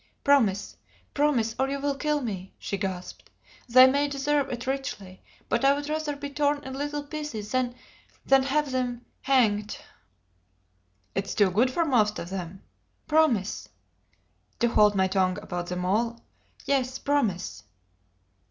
"Promise promise or you will kill me!" she gasped. "They may deserve it richly, but I would rather be torn in little pieces than than have them hanged!" "It is too good for most of them." "Promise!" "To hold my tongue about them all?" "Yes promise!"